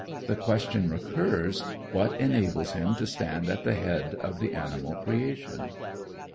The question recurs, What enables him to stand at the head of the animal creation?